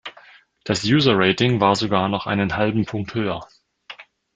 Das User-Rating war sogar noch einen halben Punkt höher.